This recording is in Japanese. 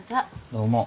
どうも。